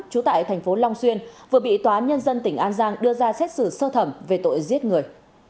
trú tại thành phố long xuyên vừa bị tòa án nhân dân tỉnh an giang đưa ra xét xử sơ thẩm về tội giết người